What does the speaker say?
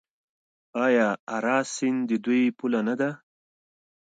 آیا اراس سیند د دوی پوله نه ده؟